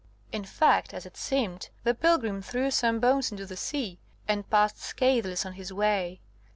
In fact, as it seemed, the pilgrim threw some bones into the sea, and passed scatheless on his way.